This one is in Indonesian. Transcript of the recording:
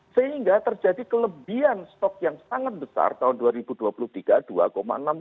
sehingga terjadi kelebihan stok yang sangat besar tahun dua ribu dua puluh tiga